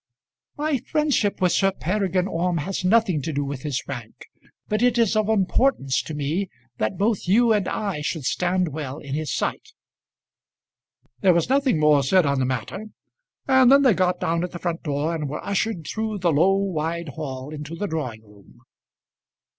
"My friendship with Sir Peregrine Orme has nothing to do with his rank; but it is of importance to me that both you and I should stand well in his sight." There was nothing more said on the matter; and then they got down at the front door, and were ushered through the low wide hall into the drawing room.